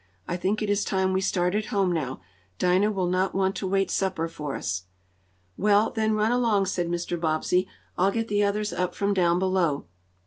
I think it is time we started home now. Dinah will not want to wait supper for us." "Well then, run along," said Mr. Bobbsey. "I'll get the others up from down below."